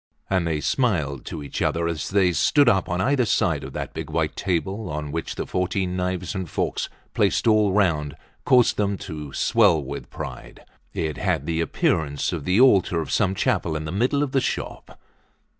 And they smiled to each other as they stood up on either side of that big white table on which the fourteen knives and forks, placed all round, caused them to swell with pride. It had the appearance of the altar of some chapel in the middle of the shop.